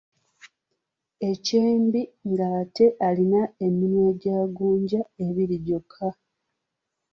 Ebyembi ng’ate alina eminwe gya gonja ebiri gyokka.